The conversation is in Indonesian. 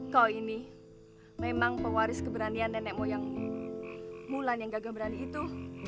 kau ini memang pewaris keberanian nenekmu yang mulan yang gagah berani itu